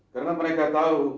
karena mereka tahu